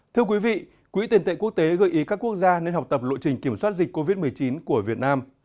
thưa quý vị quỹ tiền tệ quốc tế gợi ý các quốc gia nên học tập lộ trình kiểm soát dịch covid một mươi chín của việt nam